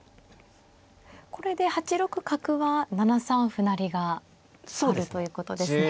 これで８六角は７三歩成があるということですね。